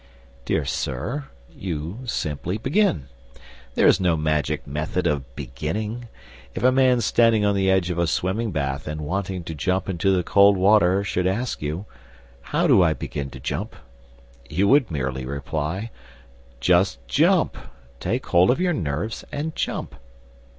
Dear sir, you simply begin. There is no magic method of beginning. If a man standing on the edge of a swimming bath and wanting to jump into the cold water should ask you, "How do I begin to jump?" you would merely reply, "Just jump. Take hold of your nerves, and jump."